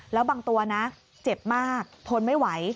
แล้วบางตัวนะเจ็บมากทนไม่ไหว